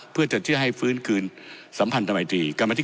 เพื่อจะที่ให้ฟื้นคืนสัมพันธ์ธรรมไทย